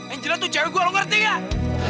angela tuh cewek gua lu ngerti nggak